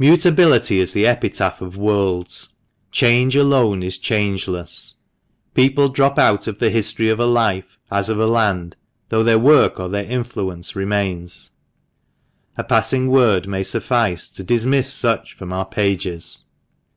UTABILITY is the epitaph of worlds. Change alone is changeless. People drop out of the history of a life as of a land, though their work or their influence remains. A passing word may suffice to dismiss such from our pages.